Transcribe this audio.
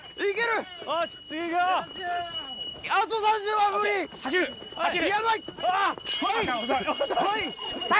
はい！